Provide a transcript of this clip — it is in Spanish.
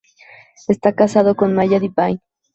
Está casado con Maya Divine.